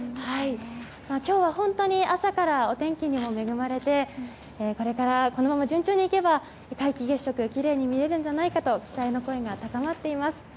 今日は本当に朝からお天気にも恵まれてこのまま順調にいけば皆既月食きれいに見えるんじゃないかと期待の声が高まっています。